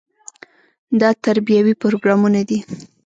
دا تربیوي پروګرامونه دي.